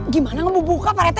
gimana kamu buka pak rete